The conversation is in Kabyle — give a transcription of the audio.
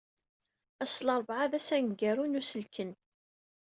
Ass n larebεa d ass aneggaru n uselken.